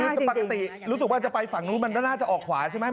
คือปกติรู้สึกว่าจะไปฝั่งนู้นมันก็น่าจะออกขวาใช่ไหม